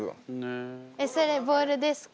えっそれボールですか？